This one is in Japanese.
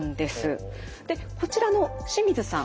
こちらの清水さん。